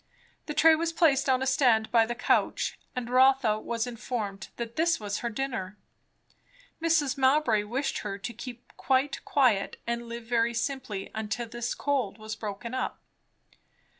The tray was placed on a stand by the couch, and Rotha was informed that this was her dinner. Mrs. Mowbray wished her to keep quite quiet and live very simply until this cold was broken up.